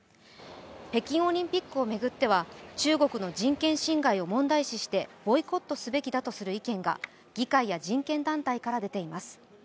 北京オリンピックを巡っては、中国の人権侵害を問題視してボイコットすべきだとする意見が議会や人権団体から出ています。